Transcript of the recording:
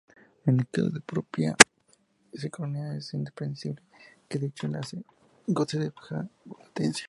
En caso de copia síncrona es imprescindible que dicho enlace goce de baja latencia.